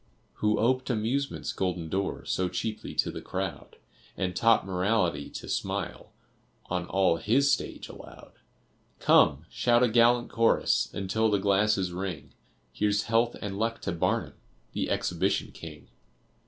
Who oped Amusement's golden door So cheaply to the crowd, And taught Morality to smile On all his stage allowed? Come! shout a gallant chorus, Until the glasses ring, Here's health and luck to Barnum! The Exhibition King.